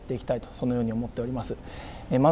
そのように思っております。